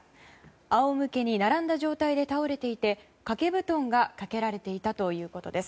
仰向けに並んだ状態で倒れていてかけ布団がかけられていたということです。